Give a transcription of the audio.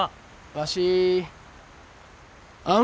わしあん